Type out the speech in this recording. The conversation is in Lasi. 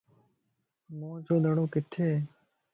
موئن جو دڙو ڪٿي ائي؟